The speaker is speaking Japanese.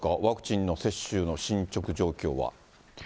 ワクチンの接種の進捗状況は。